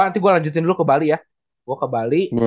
nanti gua lanjutin dulu ke bali ya